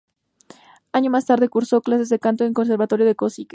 Años más tarde, cursó clases de canto en el Conservatorio de Košice.